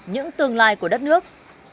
những tương lai của đất nước